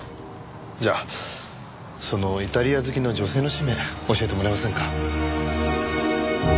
じゃあそのイタリア好きの女性の氏名教えてもらえませんか？